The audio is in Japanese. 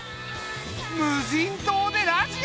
無人島でラジオ！